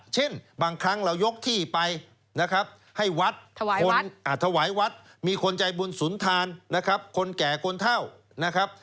เช่นบางครั้งเรายกที่ไปให้วัดถวายวัดมีคนใจบุญสุนทานคนแก่คนเท่า